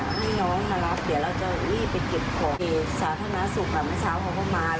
กำลังซ้อมมือเลยแบบไม่ได้จัดการ